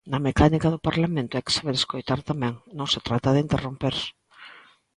Na mecánica do Parlamento hai que saber escoitar tamén; non se trata de interromper.